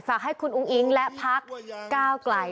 ฝากให้คุณอุ้งอิ๊งและพักก้าวไกล